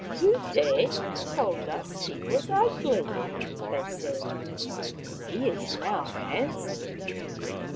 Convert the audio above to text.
" Tute told us he was ugly," they said. " He is now handsome.